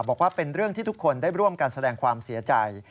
บอกว่าเป็นเรื่องที่ทุกคนได้ร่วมกันแสดงความเสียใจ